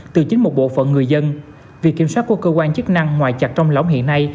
từ chính một bộ phận người dân việc kiểm soát của cơ quan chức năng ngoài chặt trong lõng hiện nay